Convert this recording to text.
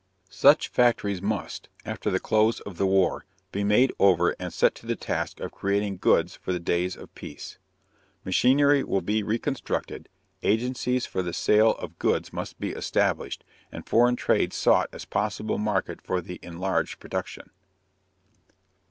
Such factories must, after the close of the war, be made over and set to the task of creating goods for the days of peace. Machinery will be reconstructed, agencies for the sale of goods must be established, and foreign trade sought as a possible market for the enlarged production.